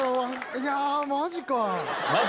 いやあマジか。